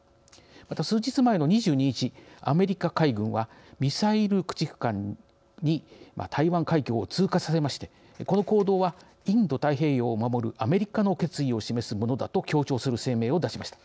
また数日前の２２日アメリカ海軍はミサイル駆逐艦に台湾海峡を通過させましてこの行動はインド太平洋を守るアメリカの決意を示すものだと強調する声明を出しました。